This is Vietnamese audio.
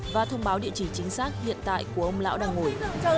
và thông báo địa chỉ chính xác hiện tại của ông lão đang ngồi